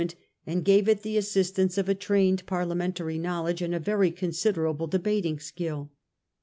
347 ment, and gave it the assistance of trained Parlia mentary knowledge and very considerable debating skill.